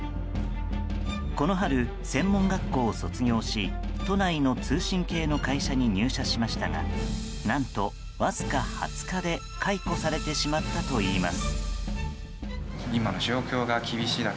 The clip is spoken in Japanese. この春、専門学校を卒業し都内の通信系の会社に入社しましたが何と、わずか２０日で解雇されてしまったといいます。